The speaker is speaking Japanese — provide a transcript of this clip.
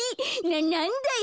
なんだよ